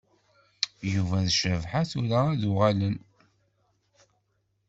Yuba d Cabḥa tura ad uɣalen.